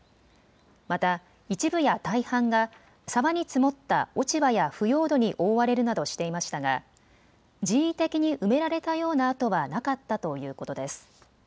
また、一部や大半が、沢に積もった落ち葉や腐葉土に覆われるなどしていましたが、人為的に埋められたような跡はなかったということです。